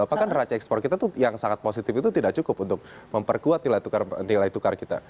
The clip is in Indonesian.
apakah neraca ekspor kita yang sangat positif itu tidak cukup untuk memperkuat nilai tukar kita